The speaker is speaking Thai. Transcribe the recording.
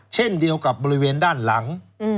เช่นเดียวกับบริเวณด้านหลัง